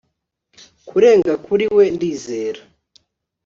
Kurenga kuri we Ndizera